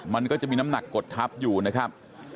มันก็จะมีน้ำหนักกดทับอยู่นะครับ